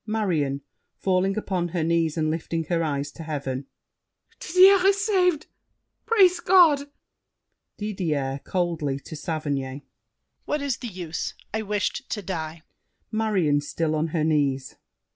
MARION (falling upon her knees and lifting her eyes to heaven). Didier is saved! Praise God! DIDIER (coldly, to Saverny). What is the use? I wished to die. MARION (still on her knees).